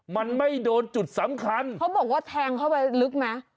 มันไม่โดนจุดสำคัญเขาบอกว่าแทงเข้าไปลึกไหม